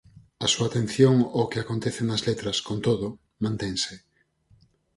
A súa atención ao que acontece nas letras, con todo, mantense.